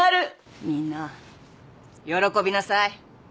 みんな喜びなさい。